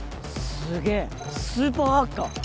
すげえスーパーハッカー